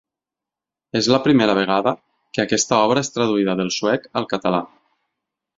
És la primera vegada que aquesta obra és traduïda del suec al català.